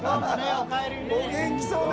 お元気そうで。